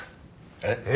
「えっ？」